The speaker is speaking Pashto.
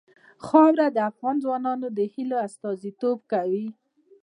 خاوره د افغان ځوانانو د هیلو استازیتوب کوي.